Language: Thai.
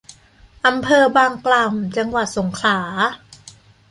อำเภอบางกล่ำ จังหวัดสงขลา